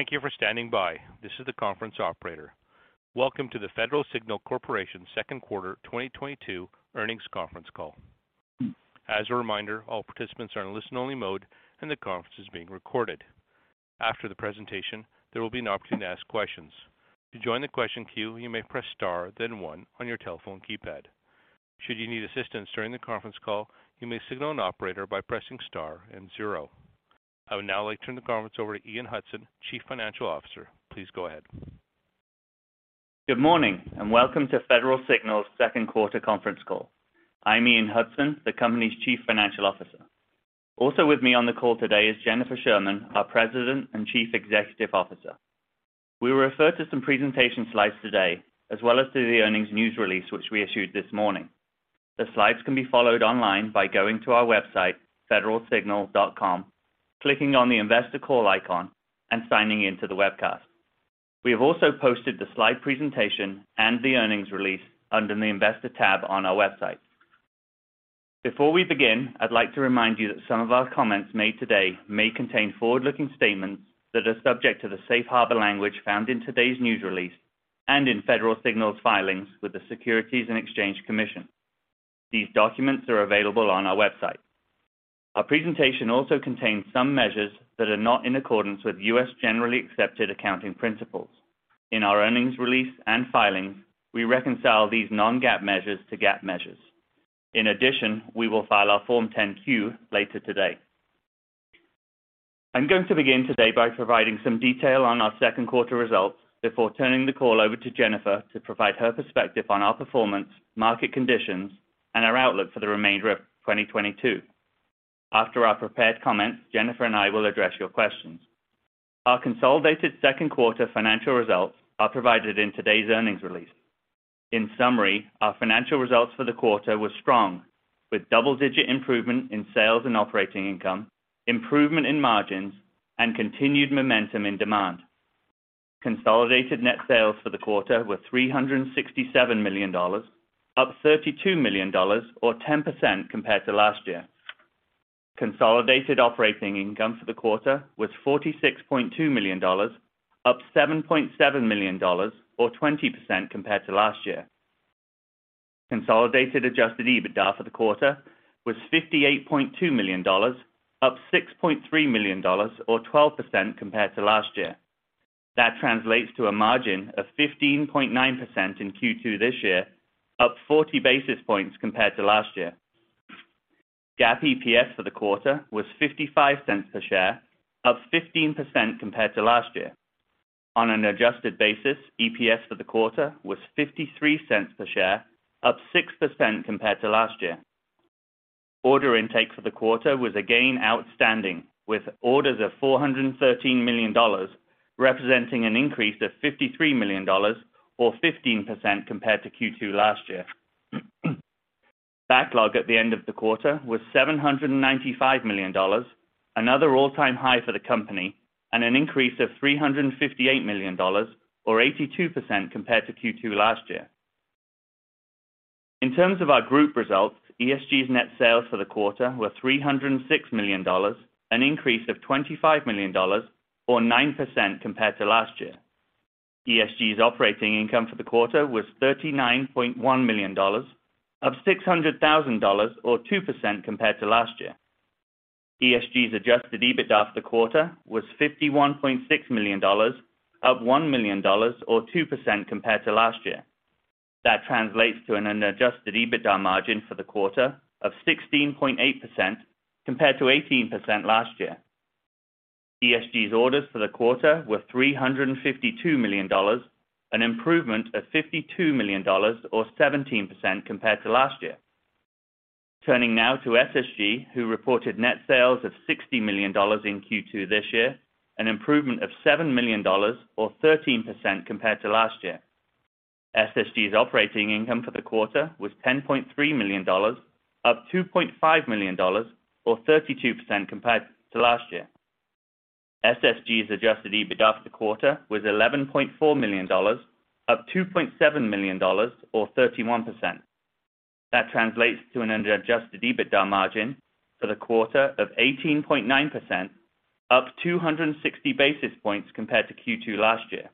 Thank you for standing by. This is the conference operator. Welcome to the Federal Signal Corporation second quarter 2022 earnings conference call. As a reminder, all participants are in listen-only mode, and the conference is being recorded. After the presentation, there will be an opportunity to ask questions. To join the question queue, you may press star then one on your telephone keypad. Should you need assistance during the conference call, you may signal an operator by pressing star and zero. I would now like to turn the conference over to Ian Hudson, Chief Financial Officer. Please go ahead. Good morning and welcome to Federal Signal's second quarter conference call. I'm Ian Hudson, the company's Chief Financial Officer. Also with me on the call today is Jennifer Sherman, our President and Chief Executive Officer. We will refer to some presentation slides today as well as to the earnings news release, which we issued this morning. The slides can be followed online by going to our website, federalsignal.com, clicking on the Investor Call icon and signing in to the webcast. We have also posted the slide presentation and the earnings release under the Investor tab on our website. Before we begin, I'd like to remind you that some of our comments made today may contain forward-looking statements that are subject to the safe harbor language found in today's news release and in Federal Signal's filings with the Securities and Exchange Commission. These documents are available on our website. Our presentation also contains some measures that are not in accordance with U.S. generally accepted accounting principles. In our earnings release and filings, we reconcile these non-GAAP measures to GAAP measures. In addition, we will file our Form 10-Q later today. I'm going to begin today by providing some detail on our second quarter results before turning the call over to Jennifer to provide her perspective on our performance, market conditions, and our outlook for the remainder of 2022. After our prepared comments, Jennifer and I will address your questions. Our consolidated second quarter financial results are provided in today's earnings release. In summary, our financial results for the quarter were strong, with double-digit improvement in sales and operating income, improvement in margins, and continued momentum in demand. Consolidated net sales for the quarter were $367 million, up $32 million or 10% compared to last year. Consolidated operating income for the quarter was $46.2 million, up $7.7 million or 20% compared to last year. Consolidated adjusted EBITDA for the quarter was $58.2 million, up $6.3 million or 12% compared to last year. That translates to a margin of 15.9% in Q2 this year, up 40 basis points compared to last year. GAAP EPS for the quarter was $0.55 per share, up 15% compared to last year. On an adjusted basis, EPS for the quarter was $0.53 per share, up 6% compared to last year. Order intake for the quarter was again outstanding, with orders of $413 million, representing an increase of $53 million or 15% compared to Q2 last year. Backlog at the end of the quarter was $795 million, another all-time high for the company, and an increase of $358 million or 82% compared to Q2 last year. In terms of our group results, ESG's net sales for the quarter were $306 million, an increase of $25 million or 9% compared to last year. ESG's operating income for the quarter was $39.1 million, up $600,000 or 2% compared to last year. ESG's adjusted EBITDA for the quarter was $51.6 million, up $1 million or 2% compared to last year. That translates to an adjusted EBITDA margin for the quarter of 16.8% compared to 18% last year. ESG's orders for the quarter were $352 million, an improvement of $52 million or 17% compared to last year. Turning now to SSG, who reported net sales of $60 million in Q2 this year, an improvement of $7 million or 13% compared to last year. SSG's operating income for the quarter was $10.3 million, up $2.5 million or 32% compared to last year. SSG's adjusted EBITDA for the quarter was $11.4 million, up $2.7 million or 31%. That translates to an adjusted EBITDA margin for the quarter of 18.9%, up 260 basis points compared to Q2 last year.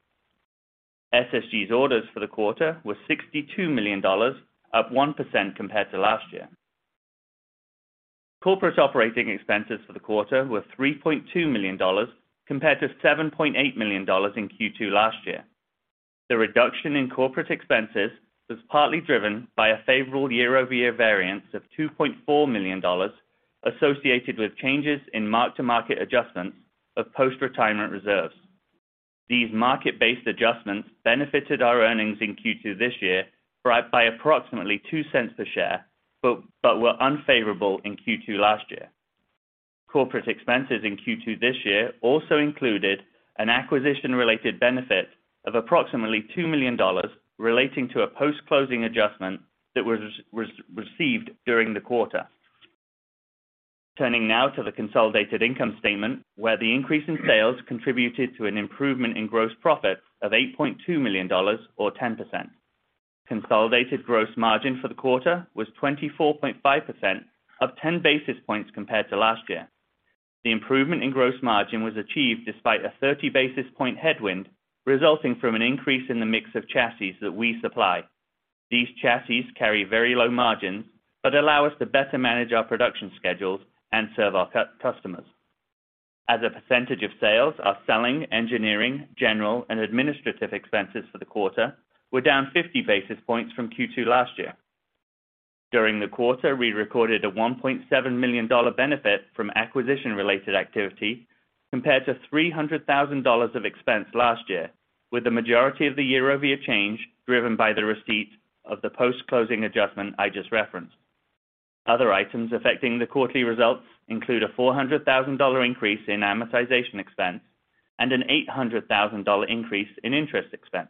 SSG's orders for the quarter were $62 million, up 1% compared to last year. Corporate operating expenses for the quarter were $3.2 million compared to $7.8 million in Q2 last year. The reduction in corporate expenses was partly driven by a favorable year-over-year variance of $2.4 million associated with changes in mark-to-market adjustments of post-retirement reserves. These market-based adjustments benefited our earnings in Q2 this year by approximately $0.02 per share, but were unfavorable in Q2 last year. Corporate expenses in Q2 this year also included an acquisition-related benefit of approximately $2 million relating to a post-closing adjustment that was received during the quarter. Turning now to the consolidated income statement, where the increase in sales contributed to an improvement in gross profit of $8.2 million or 10%. Consolidated gross margin for the quarter was 24.5%, up 10 basis points compared to last year. The improvement in gross margin was achieved despite a 30 basis point headwind resulting from an increase in the mix of chassis that we supply. These chassis carry very low margins, but allow us to better manage our production schedules and serve our customers. As a percentage of sales, our selling, engineering, general, and administrative expenses for the quarter were down 50 basis points from Q2 last year. During the quarter, we recorded a $1.7 million benefit from acquisition-related activity compared to $300,000 of expense last year, with the majority of the year-over-year change driven by the receipt of the post-closing adjustment I just referenced. Other items affecting the quarterly results include a $400,000 increase in amortization expense and a $800,000 increase in interest expense.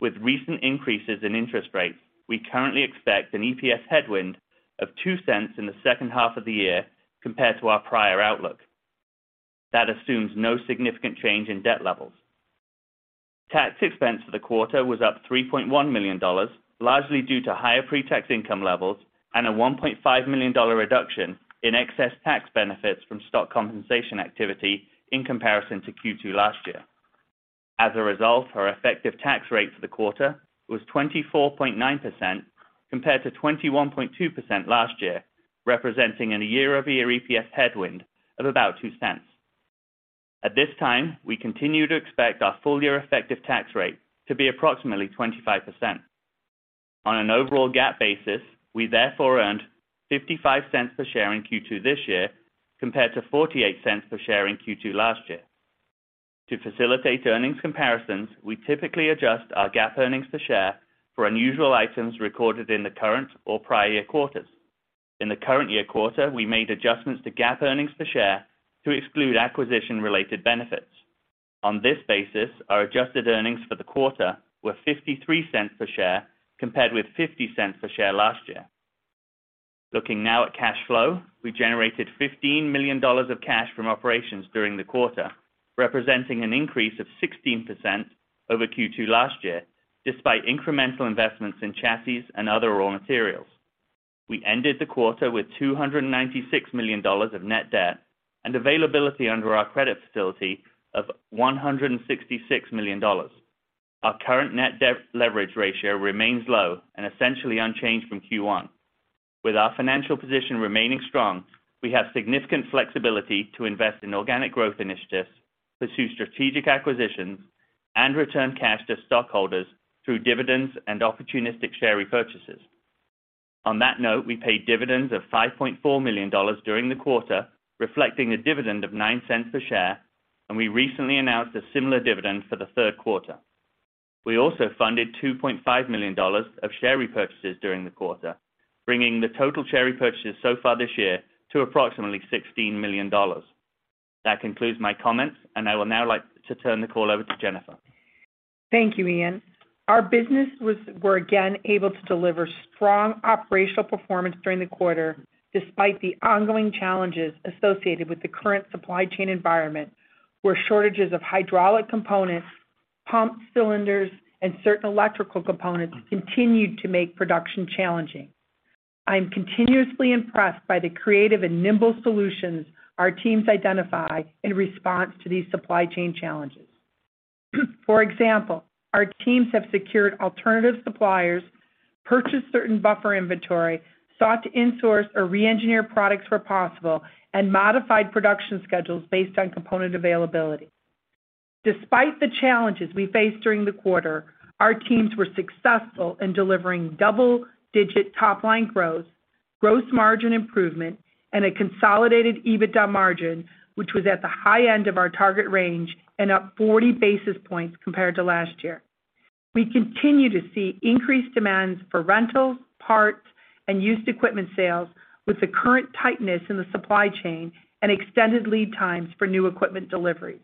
With recent increases in interest rates, we currently expect an EPS headwind of $0.02 in the second half of the year compared to our prior outlook. That assumes no significant change in debt levels. Tax expense for the quarter was up $3.1 million, largely due to higher pre-tax income levels and a $1.5 million reduction in excess tax benefits from stock compensation activity in comparison to Q2 last year. As a result, our effective tax rate for the quarter was 24.9% compared to 21.2% last year, representing a year-over-year EPS headwind of about $0.02. At this time, we continue to expect our full year effective tax rate to be approximately 25%. On an overall GAAP basis, we therefore earned $0.55 per share in Q2 this year compared to $0.48 per share in Q2 last year. To facilitate earnings comparisons, we typically adjust our GAAP earnings per share for unusual items recorded in the current or prior year quarters. In the current year quarter, we made adjustments to GAAP earnings per share to exclude acquisition-related benefits. On this basis, our adjusted earnings for the quarter were $0.53 per share compared with $0.50 per share last year. Looking now at cash flow, we generated $15 million of cash from operations during the quarter, representing an increase of 16% over Q2 last year, despite incremental investments in chassis and other raw materials. We ended the quarter with $296 million of net debt and availability under our credit facility of $166 million. Our current net debt leverage ratio remains low and essentially unchanged from Q1. With our financial position remaining strong, we have significant flexibility to invest in organic growth initiatives, pursue strategic acquisitions, and return cash to stockholders through dividends and opportunistic share repurchases. On that note, we paid dividends of $5.4 million during the quarter, reflecting a dividend of $0.09 per share, and we recently announced a similar dividend for the third quarter. We also funded $2.5 million of share repurchases during the quarter, bringing the total share repurchases so far this year to approximately $16 million. That concludes my comments, and I would now like to turn the call over to Jennifer. Thank you, Ian. Our business were again able to deliver strong operational performance during the quarter, despite the ongoing challenges associated with the current supply chain environment, where shortages of hydraulic components, pump cylinders, and certain electrical components continued to make production challenging. I am continuously impressed by the creative and nimble solutions our teams identify in response to these supply chain challenges. For example, our teams have secured alternative suppliers, purchased certain buffer inventory, sought to insource or re-engineer products where possible, and modified production schedules based on component availability. Despite the challenges we faced during the quarter, our teams were successful in delivering double-digit top-line growth, gross margin improvement, and a consolidated EBITDA margin, which was at the high end of our target range and up 40 basis points compared to last year. We continue to see increased demands for rentals, parts, and used equipment sales with the current tightness in the supply chain and extended lead times for new equipment delivery.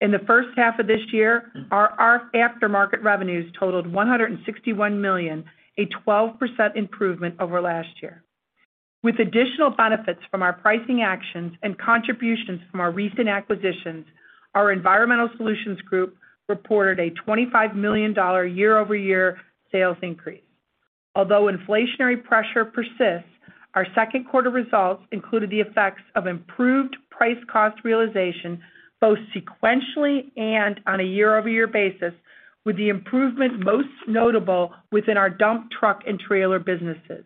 In the first half of this year, our aftermarket revenues totaled $161 million, a 12% improvement over last year. With additional benefits from our pricing actions and contributions from our recent acquisitions, our Environmental Solutions Group reported a $25 million year-over-year sales increase. Although inflationary pressure persists, our second quarter results included the effects of improved price cost realization, both sequentially and on a year-over-year basis, with the improvement most notable within our dump truck and trailer businesses.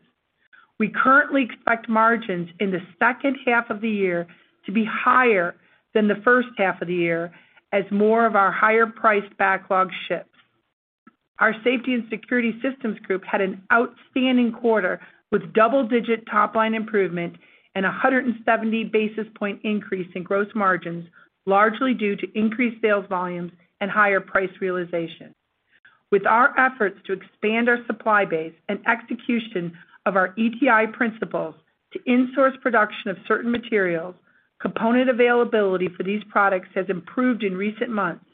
We currently expect margins in the second half of the year to be higher than the first half of the year as more of our higher priced backlog ships. Our Safety and Security Systems Group had an outstanding quarter with double-digit top-line improvement and a 170 basis point increase in gross margins, largely due to increased sales volumes and higher price realization. With our efforts to expand our supply base and execution of our ETI principles to insource production of certain materials, component availability for these products has improved in recent months,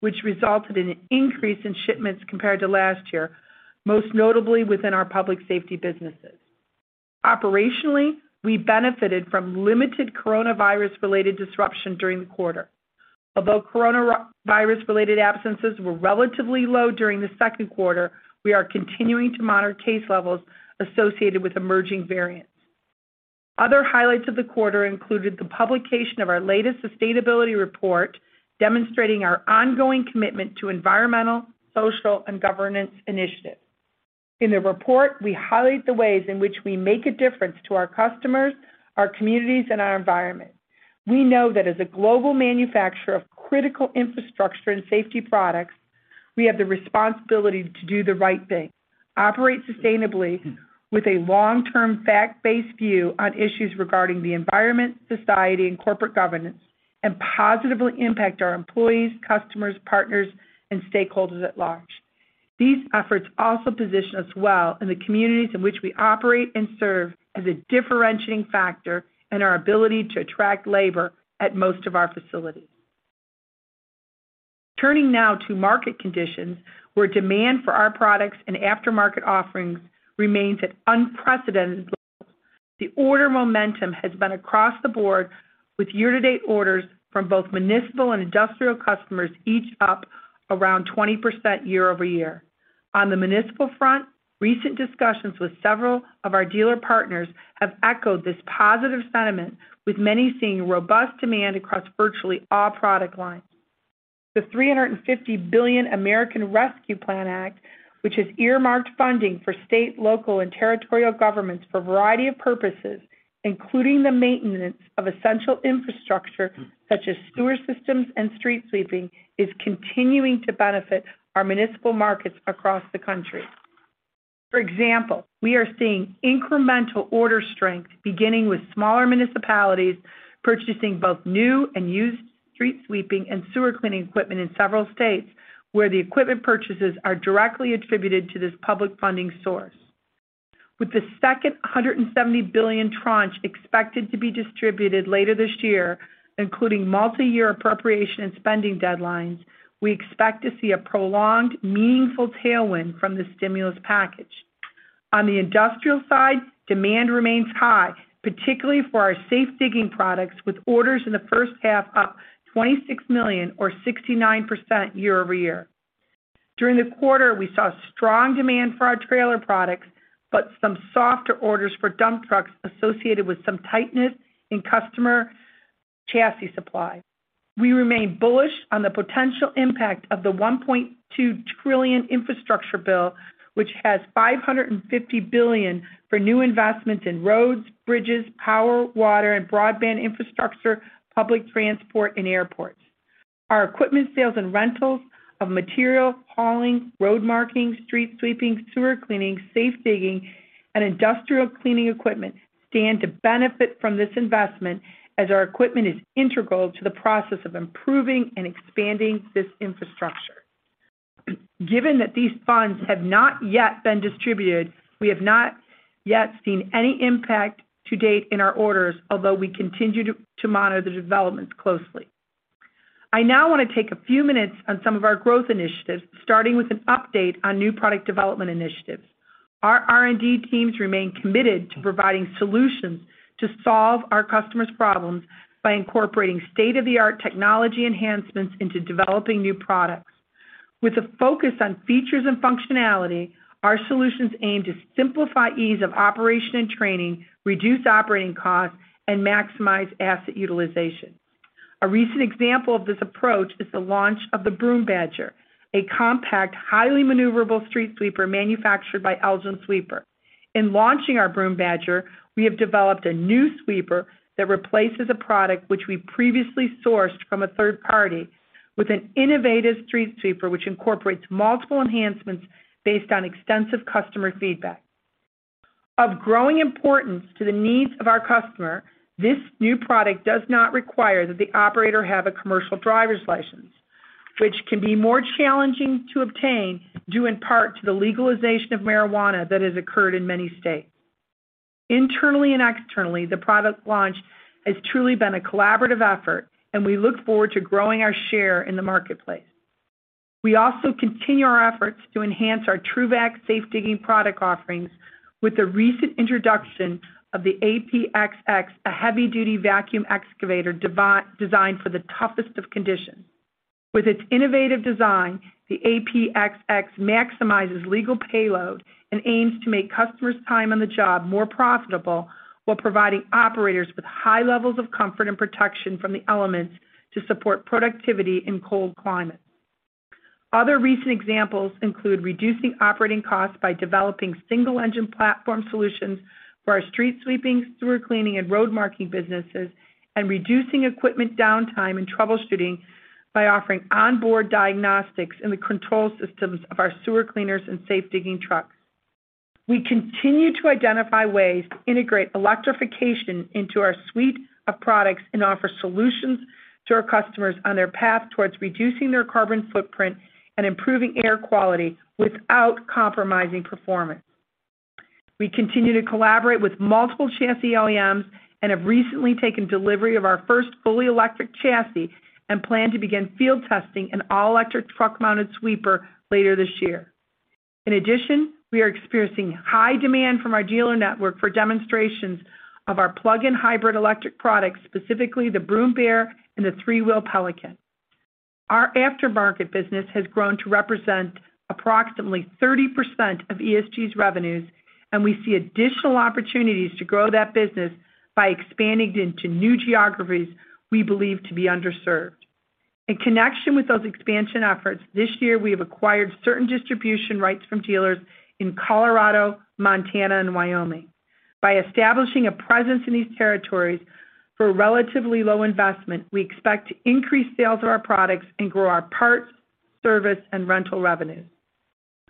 which resulted in an increase in shipments compared to last year, most notably within our public safety businesses. Operationally, we benefited from limited coronavirus-related disruption during the quarter. Although coronavirus-related absences were relatively low during the second quarter, we are continuing to monitor case levels associated with emerging variants. Other highlights of the quarter included the publication of our latest sustainability report, demonstrating our ongoing commitment to environmental, social, and governance initiatives. In the report, we highlight the ways in which we make a difference to our customers, our communities, and our environment. We know that as a global manufacturer of critical infrastructure and safety products, we have the responsibility to do the right thing, operate sustainably with a long-term fact-based view on issues regarding the environment, society, and corporate governance, and positively impact our employees, customers, partners, and stakeholders at large. These efforts also position us well in the communities in which we operate and serve as a differentiating factor in our ability to attract labor at most of our facilities. Turning now to market conditions, where demand for our products and aftermarket offerings remains at unprecedented levels. The order momentum has been across the board with year-to-date orders from both municipal and industrial customers, each up around 20% year-over-year. On the municipal front, recent discussions with several of our dealer partners have echoed this positive sentiment, with many seeing robust demand across virtually all product lines. The $350 billion American Rescue Plan Act, which has earmarked funding for state, local, and territorial governments for a variety of purposes, including the maintenance of essential infrastructure such as sewer systems and street sweeping, is continuing to benefit our municipal markets across the country. For example, we are seeing incremental order strength, beginning with smaller municipalities purchasing both new and used street sweeping and sewer cleaning equipment in several states where the equipment purchases are directly attributed to this public funding source. With the second $270 billion tranche expected to be distributed later this year, including multi-year appropriation and spending deadlines, we expect to see a prolonged, meaningful tailwind from the stimulus package. On the industrial side, demand remains high, particularly for our safe digging products, with orders in the first half up $26 million or 69% year-over-year. During the quarter, we saw strong demand for our trailer products, but some softer orders for dump trucks associated with some tightness in customer chassis supply. We remain bullish on the potential impact of the $1.2 trillion infrastructure bill, which has $550 billion for new investments in roads, bridges, power, water, and broadband infrastructure, public transport, and airports. Our equipment sales and rentals of material hauling, road marking, street sweeping, sewer cleaning, safe digging, and industrial cleaning equipment stand to benefit from this investment as our equipment is integral to the process of improving and expanding this infrastructure. Given that these funds have not yet been distributed, we have not yet seen any impact to date in our orders, although we continue to monitor the developments closely. I now want to take a few minutes on some of our growth initiatives, starting with an update on new product development initiatives. Our R&D teams remain committed to providing solutions to solve our customers' problems by incorporating state-of-the-art technology enhancements into developing new products. With a focus on features and functionality, our solutions aim to simplify ease of operation and training, reduce operating costs, and maximize asset utilization. A recent example of this approach is the launch of the Broom Badger, a compact, highly maneuverable street sweeper manufactured by Elgin Sweeper. In launching our Broom Badger, we have developed a new sweeper that replaces a product which we previously sourced from a third party with an innovative street sweeper which incorporates multiple enhancements based on extensive customer feedback. Of growing importance to the needs of our customer, this new product does not require that the operator have a commercial driver's license, which can be more challenging to obtain, due in part to the legalization of marijuana that has occurred in many states. Internally and externally, the product launch has truly been a collaborative effort and we look forward to growing our share in the marketplace. We also continue our efforts to enhance our TRUVAC safe digging product offerings with the recent introduction of the APXX, a heavy-duty vacuum excavator designed for the toughest of conditions. With its innovative design, the APXX maximizes legal payload and aims to make customers' time on the job more profitable while providing operators with high levels of comfort and protection from the elements to support productivity in cold climates. Other recent examples include reducing operating costs by developing single engine platform solutions for our street sweeping, sewer cleaning, and road marking businesses, and reducing equipment downtime and troubleshooting by offering onboard diagnostics in the control systems of our sewer cleaners and safe digging trucks. We continue to identify ways to integrate electrification into our suite of products and offer solutions to our customers on their path towards reducing their carbon footprint and improving air quality without compromising performance. We continue to collaborate with multiple chassis OEMs and have recently taken delivery of our first fully electric chassis and plan to begin field testing an all-electric truck-mounted sweeper later this year. In addition, we are experiencing high demand from our dealer network for demonstrations of our plug-in hybrid electric products, specifically the Broom Bear and the three-wheel Pelican. Our aftermarket business has grown to represent approximately 30% of ESG's revenues, and we see additional opportunities to grow that business by expanding into new geographies we believe to be underserved. In connection with those expansion efforts, this year we have acquired certain distribution rights from dealers in Colorado, Montana, and Wyoming. By establishing a presence in these territories for relatively low investment, we expect to increase sales of our products and grow our parts, service, and rental revenues.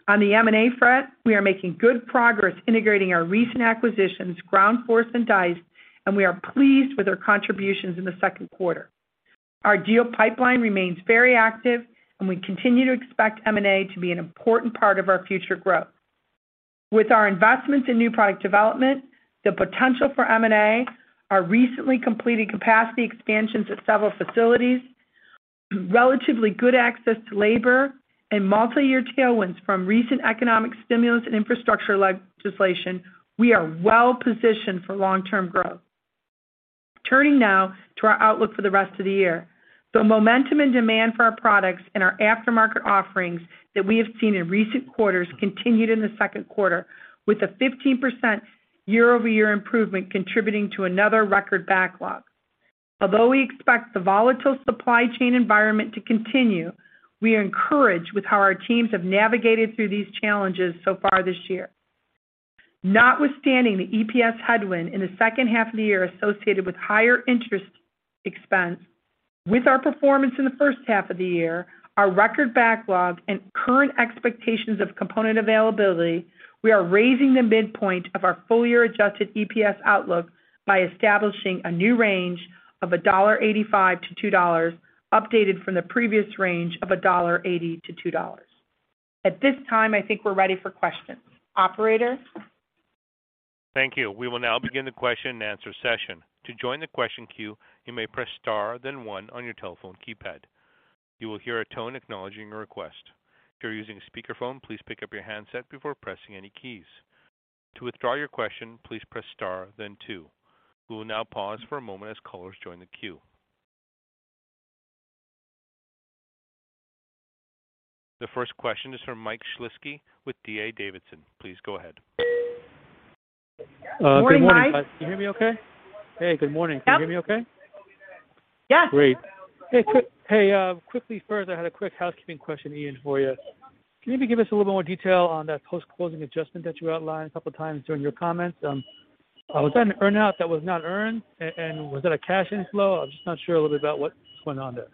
On the M&A front, we are making good progress integrating our recent acquisitions, Ground Force and Deist, and we are pleased with their contributions in the second quarter. Our deal pipeline remains very active and we continue to expect M&A to be an important part of our future growth. With our investments in new product development, the potential for M&A, our recently completed capacity expansions at several facilities, relatively good access to labor, and multiyear tailwinds from recent economic stimulus and infrastructure legislation, we are well positioned for long-term growth. Turning now to our outlook for the rest of the year. The momentum and demand for our products and our aftermarket offerings that we have seen in recent quarters continued in the second quarter, with a 15% year-over-year improvement contributing to another record backlog. Although we expect the volatile supply chain environment to continue, we are encouraged with how our teams have navigated through these challenges so far this year. Notwithstanding the EPS headwind in the second half of the year associated with higher interest expense, with our performance in the first half of the year, our record backlog and current expectations of component availability, we are raising the midpoint of our full-year adjusted EPS outlook by establishing a new range of $1.85-$2, updated from the previous range of $1.80-$2. At this time, I think we're ready for questions. Operator? Thank you. We will now begin the question and answer session. To join the question queue, you may press star, then one on your telephone keypad. You will hear a tone acknowledging your request. If you're using a speakerphone, please pick up your handset before pressing any keys. To withdraw your question, please press star then two. We will now pause for a moment as callers join the queue. The first question is from Mike Shlisky with D.A. Davidson. Please go ahead. Good morning, Mike. Can you hear me okay? Hey, good morning. Yep. Can you hear me okay? Yes. Great. Hey, quickly first, I had a quick housekeeping question, Ian, for you. Can you maybe give us a little more detail on that post-closing adjustment that you outlined a couple times during your comments? Was that an earn-out that was not earned, and was it a cash inflow? I'm just not sure a little bit about what's going on there.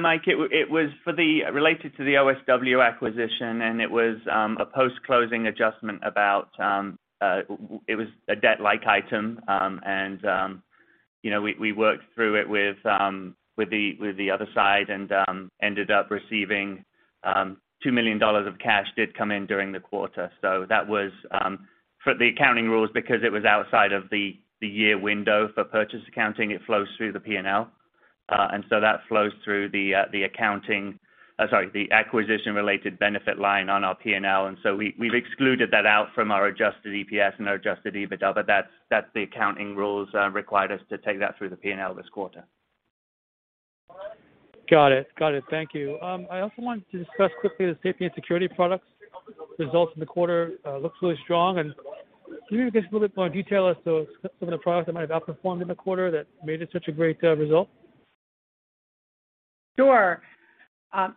Mike, it was related to the OSW acquisition, and it was a post-closing adjustment about what it was, a debt-like item. You know, we worked through it with the other side and ended up receiving $2 million of cash did come in during the quarter. That was for the accounting rules, because it was outside of the year window for purchase accounting, it flows through the P&L. That flows through the acquisition related benefit line on our P&L. We've excluded that out from our adjusted EPS and our adjusted EBITDA, but that's the accounting rules required us to take that through the P&L this quarter. Got it. Thank you. I also wanted to discuss quickly the safety and security products results in the quarter, looks really strong. Can you give us a little bit more detail as to some of the products that might have outperformed in the quarter that made it such a great result? Sure.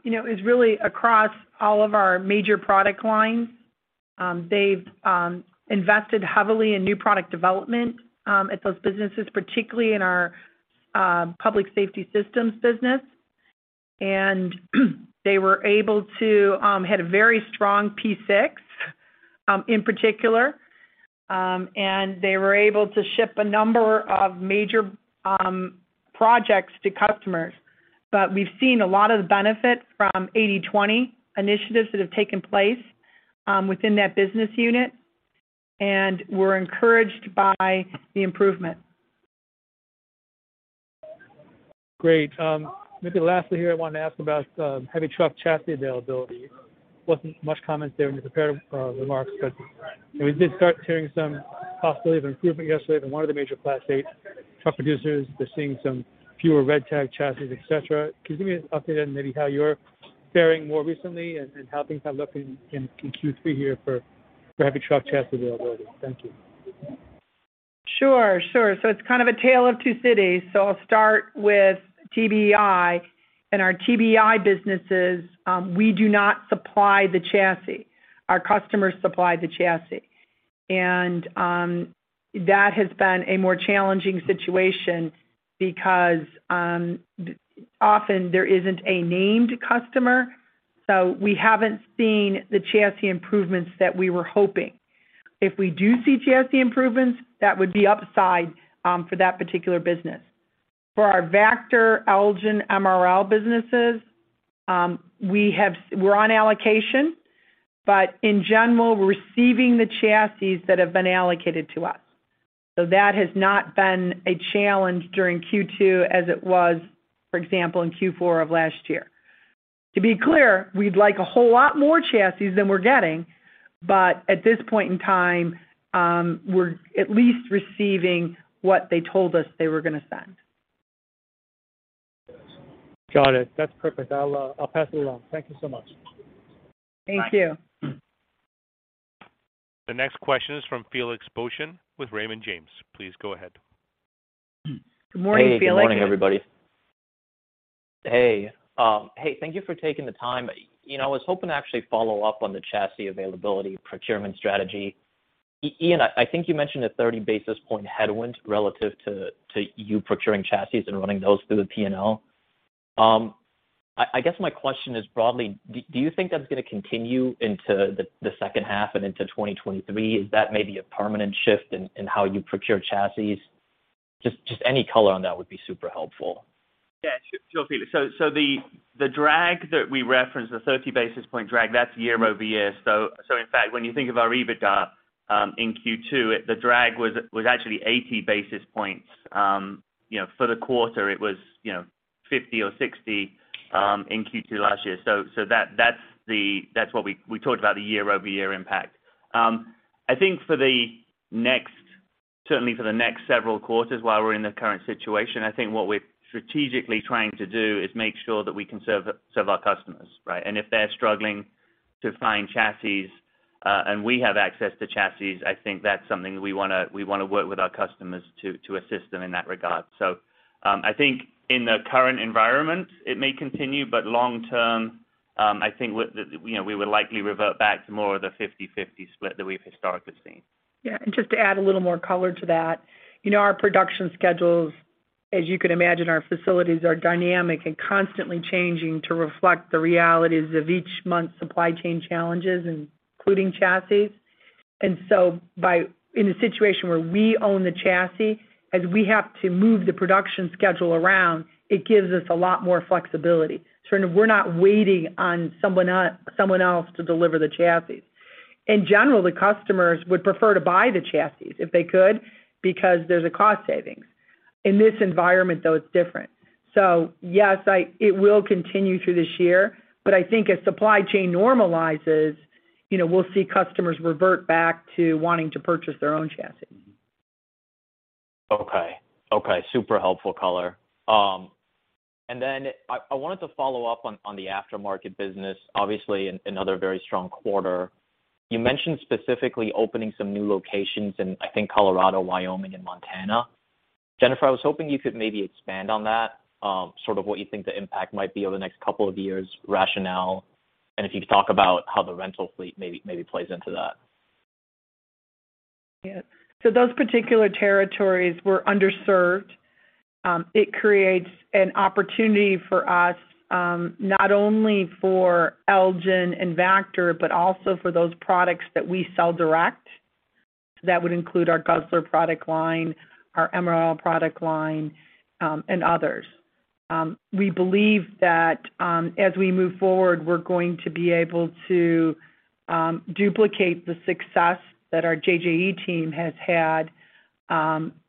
You know, it's really across all of our major product lines. They've invested heavily in new product development at those businesses, particularly in our public safety systems business. They were able to have a very strong P6 in particular, and they were able to ship a number of major projects to customers. We've seen a lot of the benefit from 80/20 initiatives that have taken place within that business unit, and we're encouraged by the improvement. Great. Maybe lastly here, I wanted to ask about heavy truck chassis availability. Wasn't much comment there in the prepared remarks, but you know, we did start hearing some possibility of improvement yesterday from one of the major Class 8 truck producers. They're seeing some fewer red tag chassis, et cetera. Can you give me an update on maybe how you're faring more recently and how things have looked in Q3 here for heavy truck chassis availability? Thank you. Sure, sure. It's kind of a tale of two cities. I'll start with TBEI. In our TBEI businesses, we do not supply the chassis. Our customers supply the chassis. That has been a more challenging situation because often there isn't a named customer, so we haven't seen the chassis improvements that we were hoping. If we do see chassis improvements, that would be upside for that particular business. For our Vactor, Elgin, MRL businesses, we're on allocation, but in general, we're receiving the chassis that have been allocated to us. That has not been a challenge during Q2 as it was, for example, in Q4 of last year. To be clear, we'd like a whole lot more chassis than we're getting. At this point in time, we're at least receiving what they told us they were gonna send. Got it. That's perfect. I'll pass it along. Thank you so much. Thank you. The next question is from Felix Boeschen with Raymond James. Please go ahead. Good morning, Felix. Good morning, everybody. Thank you for taking the time. You know, I was hoping to actually follow up on the chassis availability procurement strategy. Ian, I think you mentioned a 30 basis point headwind relative to you procuring chassis and running those through the P&L. I guess my question is broadly, do you think that's gonna continue into the second half and into 2023? Is that maybe a permanent shift in how you procure chassis? Just any color on that would be super helpful. Yeah. Sure, Felix. The drag that we referenced, the 30 basis point drag, that's year-over-year. In fact, when you think of our EBITDA in Q2, the drag was actually 80 basis points. You know, for the quarter, it was you know 50 or 60 in Q2 last year. That's what we talked about the year-over-year impact. I think for the next—certainly for the next several quarters while we're in the current situation, I think what we're strategically trying to do is make sure that we can serve our customers, right? If they're struggling to find chassis, and we have access to chassis, I think that's something we wanna work with our customers to assist them in that regard. I think in the current environment, it may continue, but long term, I think with, you know, we would likely revert back to more of the 50/50 split that we've historically seen. Yeah. Just to add a little more color to that. You know, our production schedules, as you can imagine, our facilities are dynamic and constantly changing to reflect the realities of each month's supply chain challenges, including chassis. In a situation where we own the chassis, as we have to move the production schedule around, it gives us a lot more flexibility. We're not waiting on someone else to deliver the chassis. In general, the customers would prefer to buy the chassis if they could because there's a cost savings. In this environment, though, it's different. Yes, it will continue through this year, but I think as supply chain normalizes, you know, we'll see customers revert back to wanting to purchase their own chassis. Okay. Okay. Super helpful color. I wanted to follow up on the aftermarket business, obviously another very strong quarter. You mentioned specifically opening some new locations in, I think, Colorado, Wyoming, and Montana. Jennifer, I was hoping you could maybe expand on that, sort of what you think the impact might be over the next couple of years, rationale, and if you could talk about how the rental fleet maybe plays into that. Yeah. Those particular territories were underserved. It creates an opportunity for us, not only for Elgin and Vactor, but also for those products that we sell direct. That would include our Guzzler product line, our MRL product line, and others. We believe that, as we move forward, we're going to be able to duplicate the success that our JJE team has had,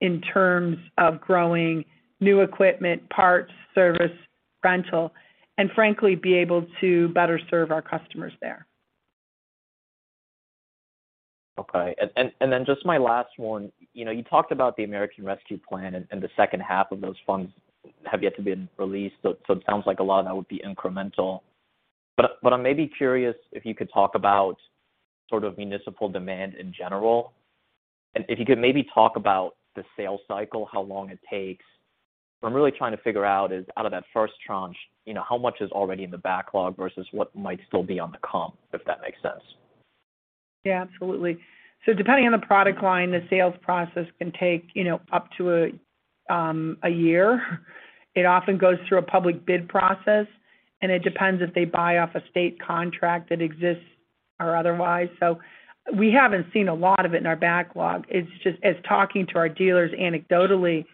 in terms of growing new equipment, parts, service, rental, and frankly, be able to better serve our customers there. Okay. Just my last one. You know, you talked about the American Rescue Plan and the second half of those funds have yet to be released. It sounds like a lot of that would be incremental. I'm maybe curious if you could talk about sort of municipal demand in general, and if you could maybe talk about the sales cycle, how long it takes. What I'm really trying to figure out is, out of that first tranche, you know, how much is already in the backlog versus what might still be on the come, if that makes sense. Yeah, absolutely. Depending on the product line, the sales process can take, you know, up to a year. It often goes through a public bid process, and it depends if they buy off a state contract that exists or otherwise. We haven't seen a lot of it in our backlog. It's just as talking to our dealers anecdotally,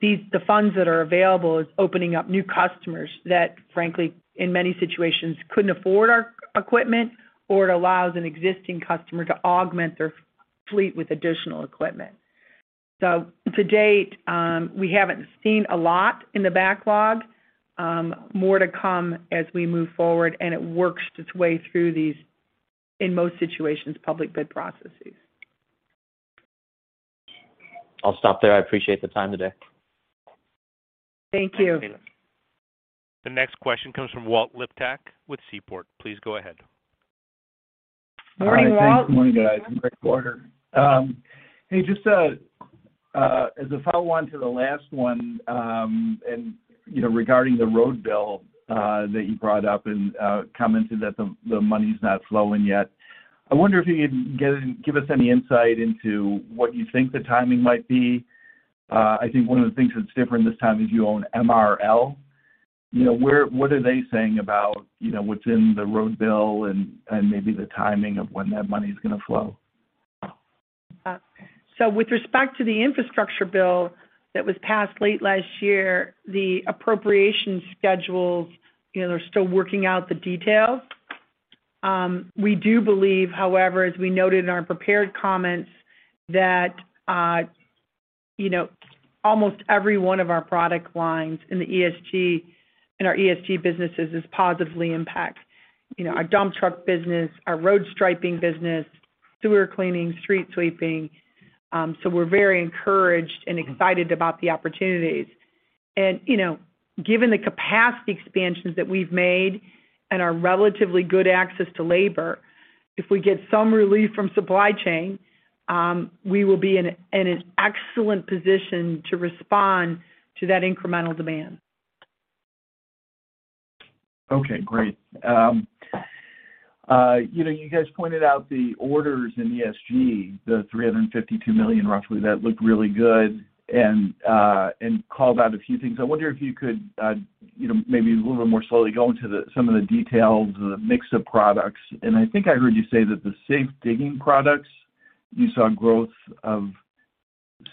these the funds that are available is opening up new customers that, frankly, in many situations, couldn't afford our equipment, or it allows an existing customer to augment their fleet with additional equipment. To date, we haven't seen a lot in the backlog. More to come as we move forward, and it works its way through these, in most situations, public bid processes. I'll stop there. I appreciate the time today. Thank you. The next question comes from Walt Liptak with Seaport. Please go ahead. Morning, Walt. All right. Thanks. Good morning, guys. Great quarter. Hey, just as a follow on to the last one, and you know, regarding the road bill that you brought up and commented that the money's not flowing yet. I wonder if you could give us any insight into what you think the timing might be. I think one of the things that's different this time is you own MRL. You know, what are they saying about you know, what's in the road bill and maybe the timing of when that money is gonna flow? With respect to the infrastructure bill that was passed late last year, the appropriation schedules, you know, they're still working out the details. We do believe, however, as we noted in our prepared comments that, you know, almost every one of our product lines in our ESG businesses is positively impact. You know, our dump truck business, our road striping business, sewer cleaning, street sweeping. We're very encouraged and excited about the opportunities. You know, given the capacity expansions that we've made and our relatively good access to labor, if we get some relief from supply chain, we will be in an excellent position to respond to that incremental demand. Okay, great. You know, you guys pointed out the orders in ESG, the $352 million roughly, that looked really good and called out a few things. I wonder if you could, you know, maybe a little bit more slowly go into some of the details of the mix of products. I think I heard you say that the safe digging products, you saw growth of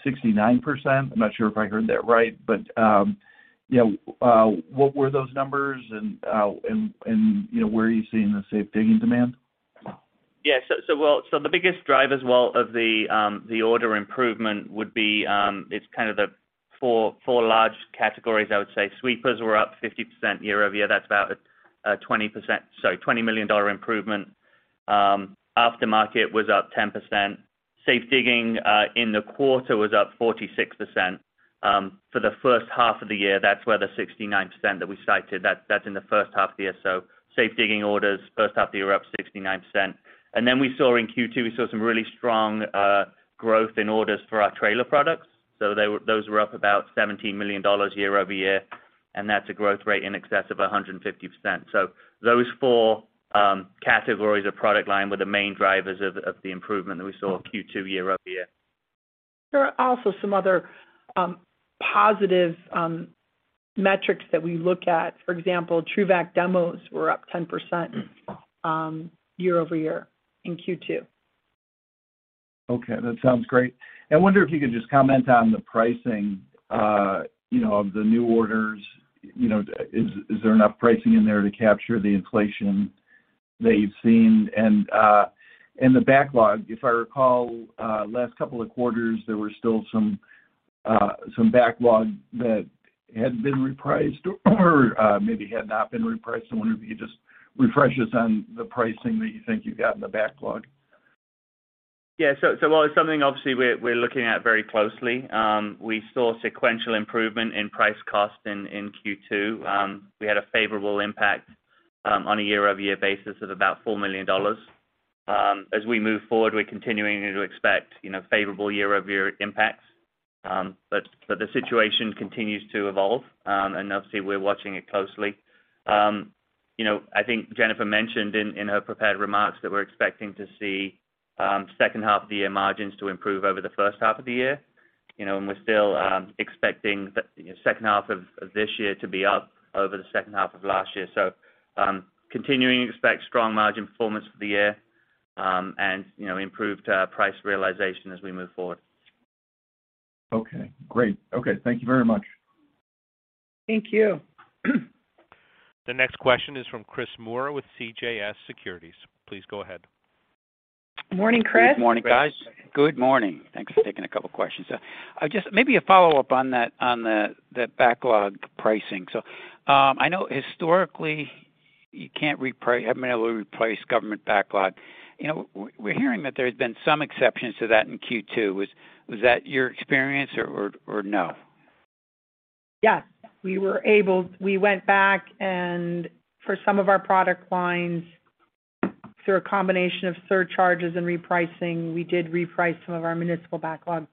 69%. I'm not sure if I heard that right. You know, what were those numbers and you know, where are you seeing the safe digging demand? The biggest drivers of the order improvement would be four large categories, I would say. Sweepers were up 50% year-over-year. That's about $20 million improvement. Aftermarket was up 10%. Safe digging in the quarter was up 46%. For the first half of the year, that's where the 69% that we cited in the first half of the year. Safe digging orders first half of the year up 69%. We saw in Q2 some really strong growth in orders for our trailer products. Those were up about $17 million year-over-year, and that's a growth rate in excess of 150%. Those four categories of product line were the main drivers of the improvement that we saw Q2 year-over-year. There are also some other positive metrics that we look at. For example, TRUVAC demos were up 10% year-over-year in Q2. Okay, that sounds great. I wonder if you could just comment on the pricing, you know, of the new orders. You know, is there enough pricing in there to capture the inflation that you've seen? The backlog, if I recall, last couple of quarters, there were still some backlog that had been repriced or, maybe had not been repriced. I wonder if you could just refresh us on the pricing that you think you've got in the backlog. Yeah. While it's something obviously we're looking at very closely, we saw sequential improvement in price cost in Q2. We had a favorable impact on a year-over-year basis of about $4 million. As we move forward, we're continuing to expect, you know, favorable year-over-year impacts. The situation continues to evolve. Obviously, we're watching it closely. You know, I think Jennifer mentioned in her prepared remarks that we're expecting to see second half of the year margins to improve over the first half of the year. You know, we're still expecting, you know, second half of this year to be up over the second half of last year. Continuing to expect strong margin performance for the year, and you know, improved price realization as we move forward. Okay, great. Okay, thank you very much. Thank you. The next question is from Chris Moore with CJS Securities. Please go ahead. Morning, Chris. Good morning, guys. Good morning. Thanks for taking a couple questions. Maybe a follow-up on that, on the backlog pricing. I know historically you haven't been able to replace government backlog. You know, we're hearing that there's been some exceptions to that in Q2. Was that your experience or no? Yes. We went back and for some of our product lines, through a combination of surcharges and repricing, we did reprice some of our municipal backlogs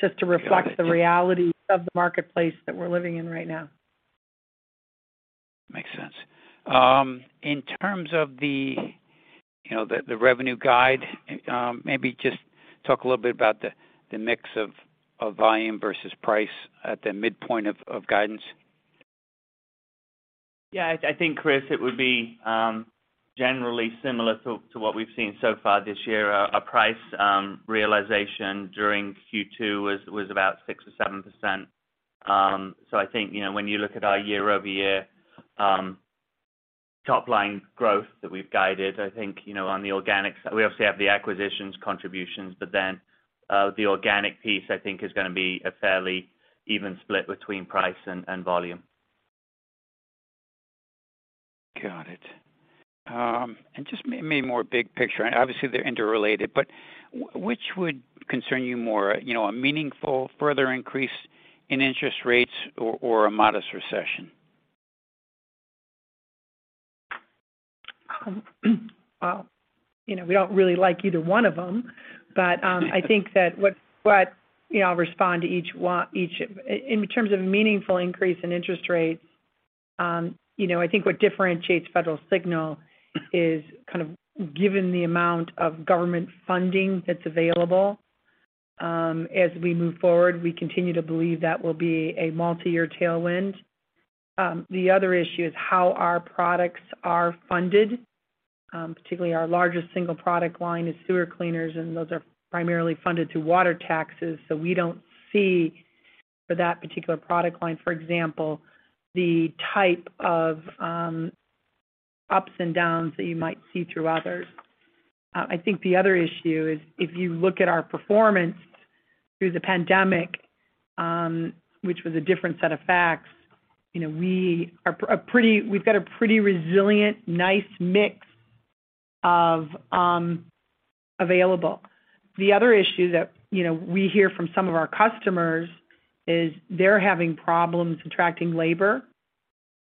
just to reflect the reality of the marketplace that we're living in right now. Makes sense. In terms of the, you know, the revenue guide, maybe just talk a little bit about the mix of volume versus price at the midpoint of guidance? Yeah. I think, Chris, it would be generally similar to what we've seen so far this year. Our price realization during Q2 was about 6%-7%. So I think, you know, when you look at our year-over-year top line growth that we've guided, I think, you know, on the organics, we obviously have the acquisitions contributions, but then the organic piece I think is gonna be a fairly even split between price and volume. Got it. Just maybe more big picture, and obviously they're interrelated, but which would concern you more, you know, a meaningful further increase in interest rates or a modest recession? Well, you know, we don't really like either one of them, but I think that, you know, I'll respond to each one. In terms of meaningful increase in interest rates, you know, I think what differentiates Federal Signal is kind of given the amount of government funding that's available, as we move forward, we continue to believe that will be a multi-year tailwind. The other issue is how our products are funded, particularly our largest single product line is sewer cleaners, and those are primarily funded through water taxes. We don't see for that particular product line, for example, the type of ups and downs that you might see through others. I think the other issue is if you look at our performance through the pandemic, which was a different set of facts, you know, we've got a pretty resilient, nice mix of available. The other issue that, you know, we hear from some of our customers is they're having problems attracting labor.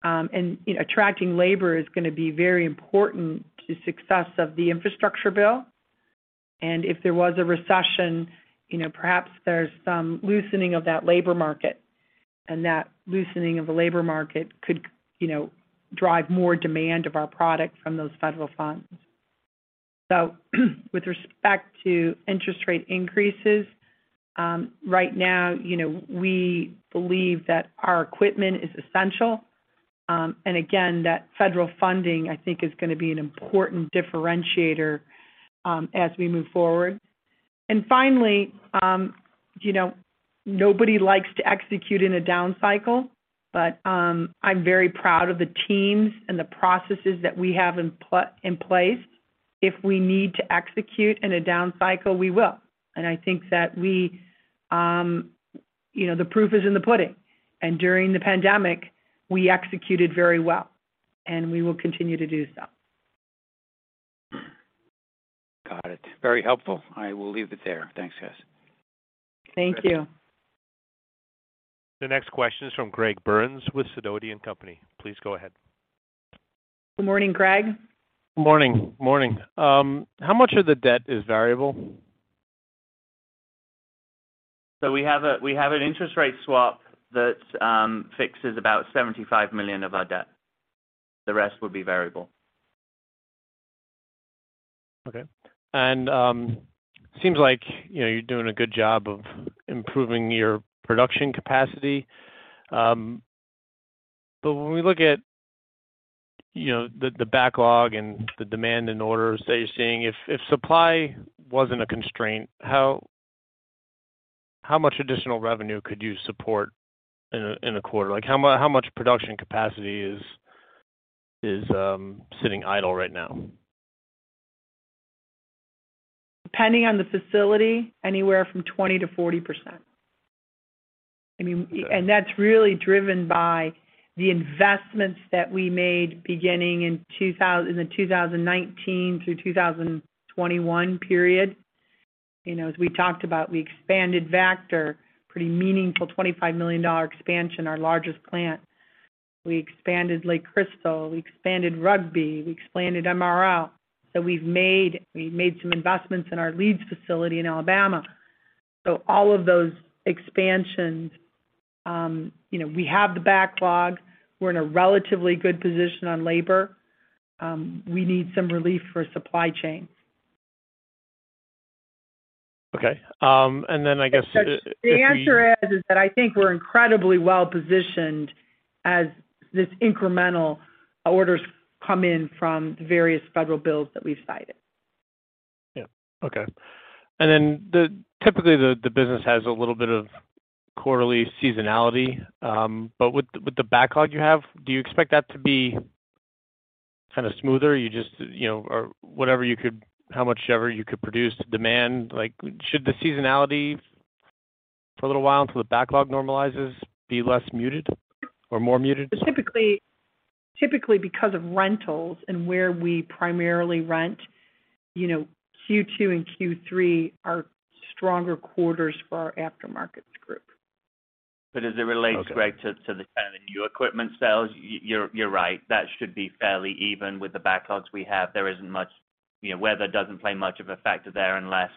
Attracting labor is gonna be very important to success of the infrastructure bill. If there was a recession, you know, perhaps there's some loosening of that labor market, and that loosening of the labor market could, you know, drive more demand of our product from those federal funds. With respect to interest rate increases, right now, you know, we believe that our equipment is essential. Again, that federal funding, I think, is gonna be an important differentiator, as we move forward. Finally, you know, nobody likes to execute in a down cycle, but I'm very proud of the teams and the processes that we have in place. If we need to execute in a down cycle, we will. I think that we, you know, the proof is in the pudding. During the pandemic, we executed very well, and we will continue to do so. Got it. Very helpful. I will leave it there. Thanks, guys. Thank you. The next question is from Greg Burns with Sidoti & Company. Please go ahead. Good morning, Greg. Morning, morning. How much of the debt is variable? We have an interest rate swap that fixes about $75 million of our debt. The rest would be variable. Okay. Seems like, you know, you're doing a good job of improving your production capacity. When we look at, you know, the backlog and the demand and orders that you're seeing, if supply wasn't a constraint, how much additional revenue could you support in a quarter? Like, how much production capacity is sitting idle right now? Depending on the facility, anywhere from 20%-40%. I mean. Okay. That's really driven by the investments that we made beginning in 2019 through 2021 period. You know, as we talked about, we expanded Vactor, pretty meaningful $25 million expansion, our largest plant. We expanded Lake Crystal, we expanded Rugby, we expanded MRL. We've made some investments in our Leeds facility in Alabama. All of those expansions, you know, we have the backlog. We're in a relatively good position on labor. We need some relief for supply chain. Okay. I guess if we- The answer is that I think we're incredibly well-positioned as this incremental orders come in from the various federal bills that we've cited. Typically the business has a little bit of quarterly seasonality. With the backlog you have, do you expect that to be kinda smoother? You just, you know or whatever you could however much you could produce demand. Like, should the seasonality for a little while until the backlog normalizes be less muted or more muted? Typically because of rentals and where we primarily rent, you know, Q2 and Q3 are stronger quarters for our aftermarkets group. As it relates, Greg, to the kind of new equipment sales, you're right. That should be fairly even with the backlogs we have. There isn't much, you know, weather doesn't play much of a factor there unless,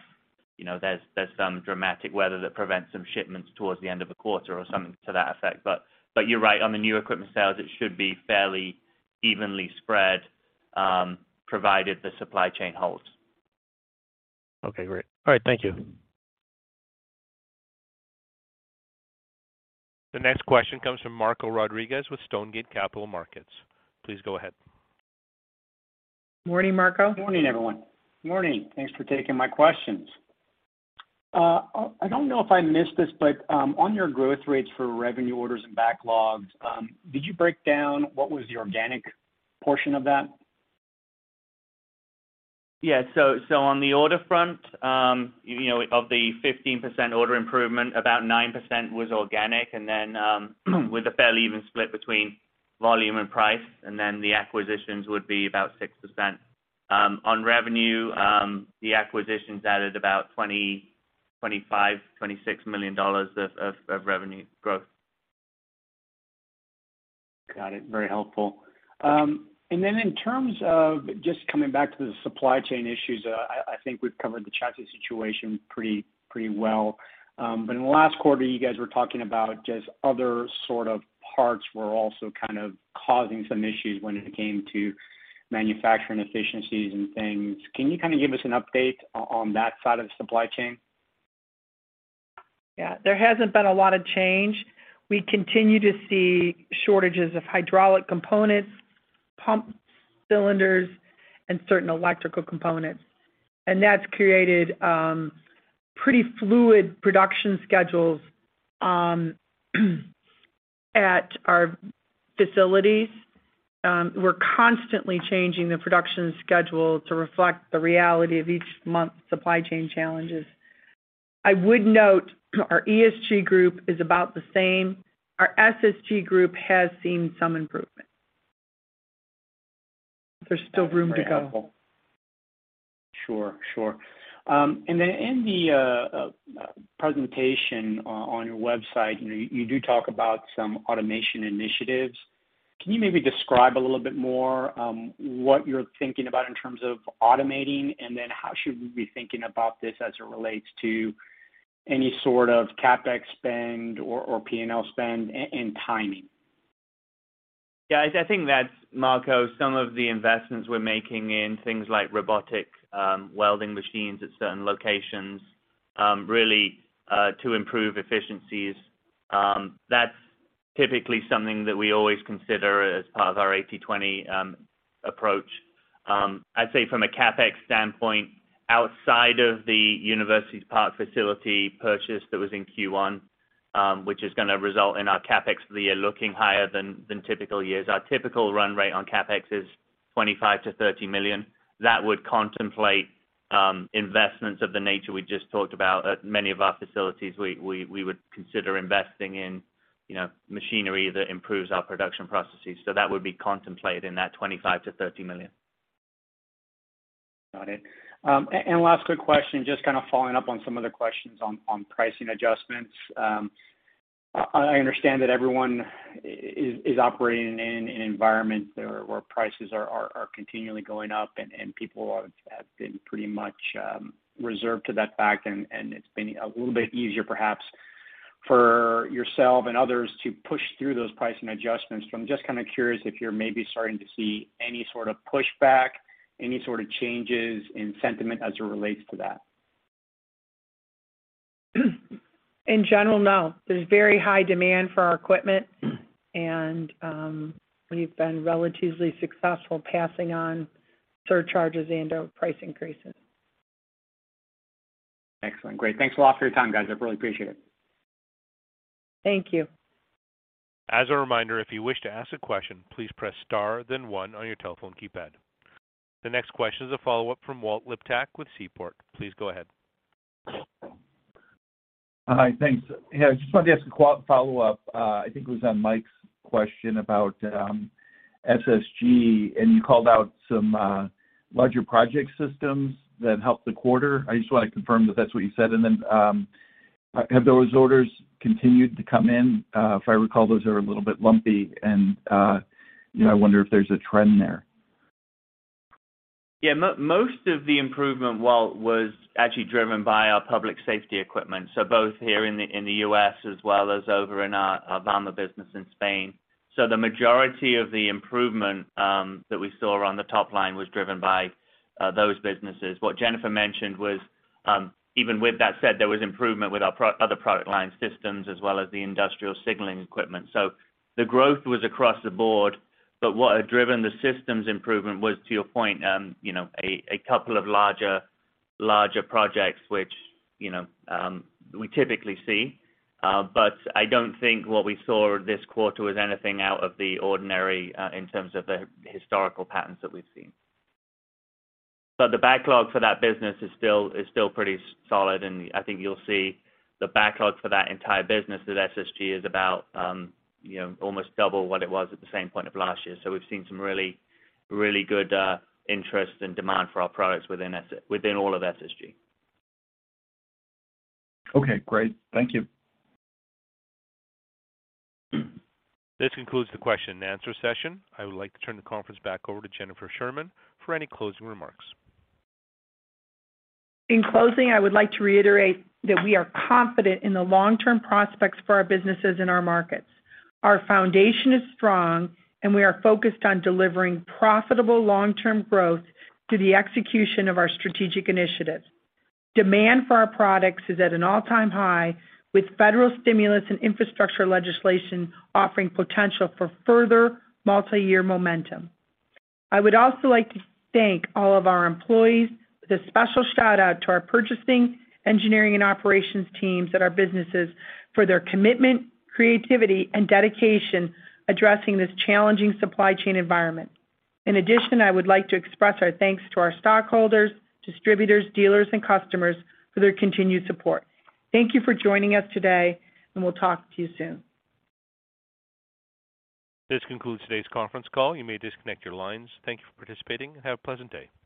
you know, there's some dramatic weather that prevents some shipments towards the end of a quarter or something to that effect. You're right. On the new equipment sales, it should be fairly evenly spread, provided the supply chain holds. Okay, great. All right. Thank you. The next question comes from Marco Rodriguez with Stonegate Capital Markets. Please go ahead. Morning, Marco. Morning, everyone. Morning. Thanks for taking my questions. I don't know if I missed this, but, on your growth rates for revenue orders and backlogs, did you break down what was the organic portion of that? Yeah. On the order front, you know, of the 15% order improvement, about 9% was organic. With a fairly even split between volume and price, and then the acquisitions would be about 6%. On revenue, the acquisitions added about $20 million, $25 million, $26 million of revenue growth. Got it. Very helpful. In terms of just coming back to the supply chain issues, I think we've covered the chassis situation pretty well. In the last quarter, you guys were talking about just other sort of parts were also kind of causing some issues when it came to manufacturing efficiencies and things. Can you kind of give us an update on that side of the supply chain? Yeah, there hasn't been a lot of change. We continue to see shortages of hydraulic components, pumps, cylinders, and certain electrical components. That's created pretty fluid production schedules at our facilities. We're constantly changing the production schedule to reflect the reality of each month's supply chain challenges. I would note our ESG group is about the same. Our SSG group has seen some improvement. There's still room to go. Sure, sure. In the presentation on your website, you know, you do talk about some automation initiatives. Can you maybe describe a little bit more what you're thinking about in terms of automating, and then how should we be thinking about this as it relates to any sort of CapEx spend or P&L spend and timing? Yeah, I think that's, Marco, some of the investments we're making in things like robotic welding machines at certain locations, really to improve efficiencies. That's typically something that we always consider as part of our 80/20 approach. I'd say from a CapEx standpoint, outside of the University Park facility purchase that was in Q1, which is gonna result in our CapEx for the year looking higher than typical years. Our typical run rate on CapEx is $25 million-$30 million. That would contemplate investments of the nature we just talked about. At many of our facilities, we would consider investing in, you know, machinery that improves our production processes. That would be contemplated in that $25 million-$30 million. Got it. And last quick question, just kind of following up on some of the questions on pricing adjustments. I understand that everyone is operating in an environment where prices are continually going up and people have been pretty much reserved to that fact, and it's been a little bit easier perhaps for yourself and others to push through those pricing adjustments. I'm just kind of curious if you're maybe starting to see any sort of pushback, any sort of changes in sentiment as it relates to that. In general, no. There's very high demand for our equipment and we've been relatively successful passing on surcharges and/or price increases. Excellent. Great. Thanks a lot for your time, guys. I really appreciate it. Thank you. As a reminder, if you wish to ask a question, please press star then one on your telephone keypad. The next question is a follow-up from Walt Liptak with Seaport. Please go ahead. Hi. Thanks. Yeah, I just wanted to ask a follow-up, I think it was on Mike's question about SSG, and you called out some larger project systems that helped the quarter. I just wanted to confirm that that's what you said. Have those orders continued to come in? If I recall, those are a little bit lumpy, and you know, I wonder if there's a trend there. Yeah. Most of the improvement, Walt, was actually driven by our public safety equipment, so both here in the U.S. as well as over in our Vama business in Spain. The majority of the improvement that we saw around the top line was driven by those businesses. What Jennifer mentioned was even with that said, there was improvement with our other product line systems as well as the industrial signaling equipment. The growth was across the board. What had driven the systems improvement was to your point, you know, a couple of larger projects, which, you know, we typically see. I don't think what we saw this quarter was anything out of the ordinary in terms of the historical patterns that we've seen. The backlog for that business is still pretty solid, and I think you'll see the backlog for that entire business with SSG is about, you know, almost double what it was at the same point of last year. We've seen some really, really good interest and demand for our products within all of SSG. Okay, great. Thank you. This concludes the question and answer session. I would like to turn the conference back over to Jennifer Sherman for any closing remarks. In closing, I would like to reiterate that we are confident in the long-term prospects for our businesses and our markets. Our foundation is strong, and we are focused on delivering profitable long-term growth through the execution of our strategic initiatives. Demand for our products is at an all-time high, with federal stimulus and infrastructure legislation offering potential for further multiyear momentum. I would also like to thank all of our employees with a special shout-out to our purchasing, engineering, and operations teams at our businesses for their commitment, creativity, and dedication addressing this challenging supply chain environment. In addition, I would like to express our thanks to our stockholders, distributors, dealers, and customers for their continued support. Thank you for joining us today, and we'll talk to you soon. This concludes today's conference call. You may disconnect your lines. Thank you for participating and have a pleasant day.